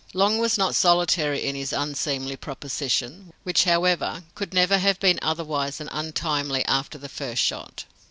Long was not solitary in his unseemly proposition, which, however, could never have been otherwise than untimely after the first shot.